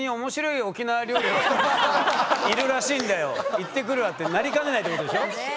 「行ってくるわ」ってなりかねないってことでしょ。